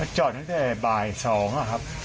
จอดตั้งแต่บ่าย๒ครับ